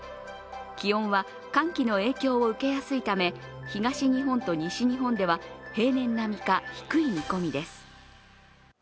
気温は寒気の影響を受けやすいため東日本と西日本では平年並みか低い見込みです。